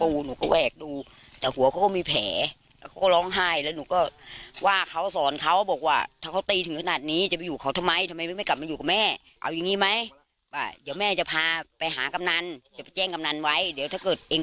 ว่านี่อยู่บ้านได้ลูกเด้อเดี๋ยวแม่ไปทำงานก่อน